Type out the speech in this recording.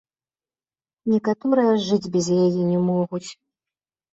Некаторыя жыць без яе не могуць.